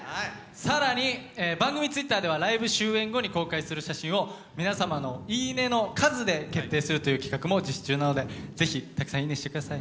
更に番組Ｔｗｉｔｔｅｒではライブ終演後に公開する写真を皆様のいいねの数で決定するという企画も実施中なので是非たくさんいいねしてください。